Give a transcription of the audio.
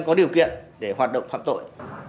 có điều kiện để hoạt động phạm tội